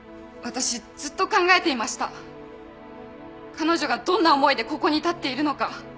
彼女がどんな思いでここに立っているのか。